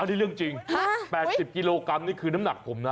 นี่เรื่องจริง๘๐กิโลกรัมนี่คือน้ำหนักผมนะ